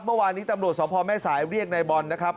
เมื่อวานนี้ตำรวจสพแม่สายเรียกนายบอลนะครับ